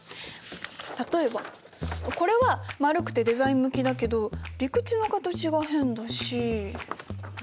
例えばこれは丸くてデザイン向きだけど陸地の形が変だし。